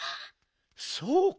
そうか！